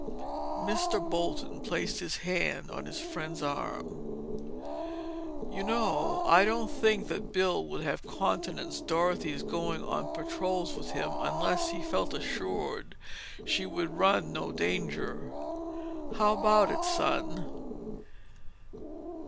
Mr. Bolton placed his hand on his friend's arm. "You know, I don't think that Bill would have countenanced Dorothy's going on patrols with him unless he felt assured she would run no danger. How about it, son?"